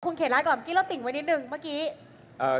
คุณเขียนลายเมื่อกี้และติ่งไว้นิดนึงเมื่อกี้